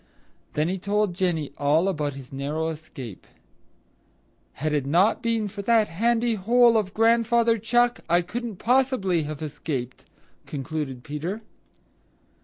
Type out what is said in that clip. Then he told Jenny all about his narrow escape. "Had it not been for that handy hole of Grandfather Chuck, I couldn't possibly have escaped," concluded Peter.